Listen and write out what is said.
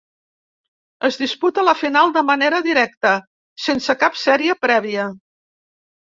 Es disputa la final de manera directa, sense cap sèrie prèvia.